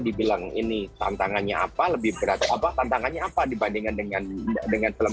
dibilang ini tantangannya apa lebih berat apa tantangannya apa dibandingkan dengan dengan film